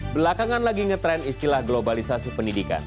belakangan lagi ngetrend istilah globalisasi pendidikan